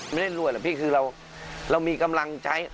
ไม่ได้รวยหรอกพี่คือเรามีกำลังใจ